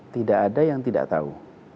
tidak ada yang tidak tahu